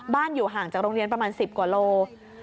อยู่ห่างจากโรงเรียนประมาณ๑๐กว่าโล